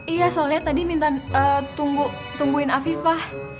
iya soalnya tadi minta tungguin afifah